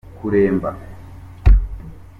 kuremba.